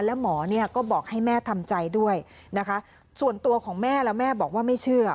แล้วหมอเนี่ยก็บอกให้แม่ทำใจด้วยนะคะส่วนตัวของแม่และแม่บอกว่าไม่เชื่อ